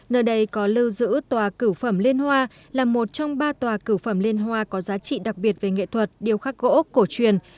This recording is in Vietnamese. nơi đây có lưu giữ tòa cửu phẩm liên hoa là một trong ba tòa cử phạm liên hoa có giá trị đặc biệt về nghệ thuật điêu khắc gỗ cổ truyền